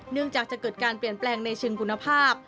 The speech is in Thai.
เนื่องจากจะเกิดการเปลี่ยนแปลงในเชิงคุณภาพ